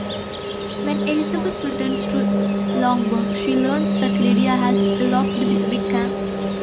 When Elizabeth returns to Longbourn, she learns that Lydia has eloped with Wickham.